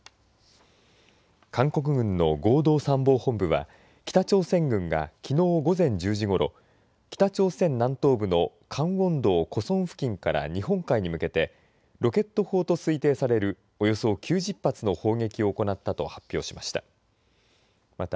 韓国軍の合同参謀本部は北朝鮮軍がきのう午前１０時ごろ北朝鮮の南東部のカンウォン道コソン付近から日本海に向けてロケット砲と推定されるおよそ９０発の砲撃を行ったと発表しました。